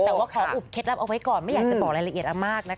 แต่ว่าขออุบเคล็ดลับเอาไว้ก่อนไม่อยากจะบอกรายละเอียดอะไรมากนะคะ